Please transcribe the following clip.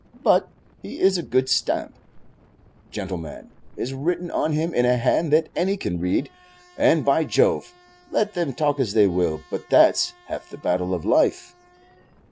But he is a good stamp: 'Gentleman' is written on him in a hand that any can read; and, by Jove! let them talk as they will, but that's half the battle of life!"